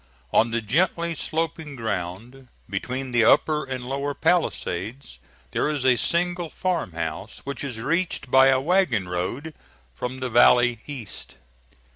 On the gently sloping ground, between the upper and lower palisades, there is a single farmhouse, which is reached by a wagon road from the valley east.